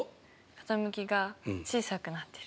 傾きが小さくなってる。